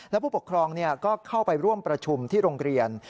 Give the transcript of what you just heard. และผู้ปกครองก็เข้าไปร่วมประชุมที่โรงเรียน